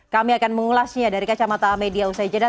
kami akan mengulasnya dari kacamata media usai jeda